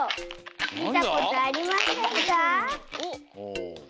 みたことありませんか？